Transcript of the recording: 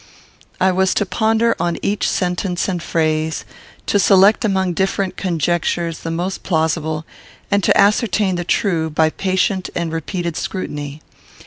I was to ponder on each sentence and phrase; to select among different conjectures the most plausible, and to ascertain the true by patient and repeated scrutiny.